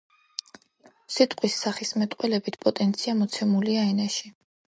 სიტყვის სახისმეტყველებითი პოტენცია მოცემულია ენაში